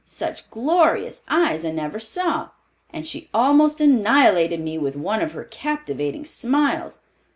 Such glorious eyes I never saw. And she almost annihilated me with one of her captivating smiles.